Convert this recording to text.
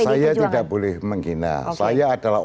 saya tidak boleh menghina saya adalah